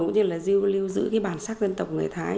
cũng như là lưu giữ cái bản sắc dân tộc người thái